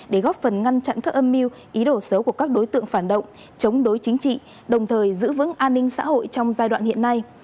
để góp phần ngăn chặn các âm mưu ý đồ xấu của các đối tượng phản động chống đối chính trị đồng thời giữ vững an ninh xã hội trong giai đoạn hiện nay